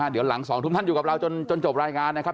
เดี๋ยวหลัง๒ทุ่มท่านอยู่กับเราจนจบรายงานนะครับ